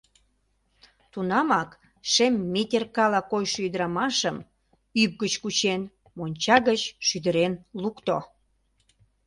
Тунамак шем метеркала койшо ӱдырамашым, ӱп гыч кучен, монча гыч шӱдырен лукто.